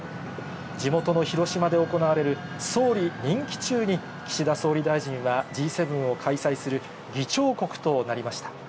地元の広島で行われる総理任期中に、岸田総理大臣はＧ７を開催する議長国となりました。